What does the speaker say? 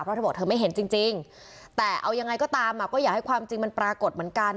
เพราะเธอบอกเธอไม่เห็นจริงแต่เอายังไงก็ตามก็อยากให้ความจริงมันปรากฏเหมือนกัน